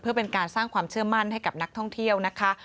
เพื่อเป็นการสร้างความเชื่อมั่นให้กับนักท่องเที่ยวนะคะ